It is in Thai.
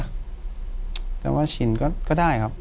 อยู่ที่แม่ศรีวิรัยิลครับ